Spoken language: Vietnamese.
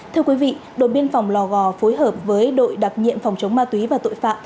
thưa quý vị đội biên phòng lò gò phối hợp với đội đặc nhiệm phòng chống ma túy và tội phạm